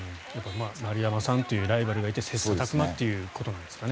丸山さんというライバルがいて切磋琢磨ということなんですかね。